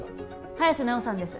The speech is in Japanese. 早瀬菜緒さんです